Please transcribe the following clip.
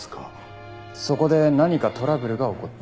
そこで何かトラブルが起こった。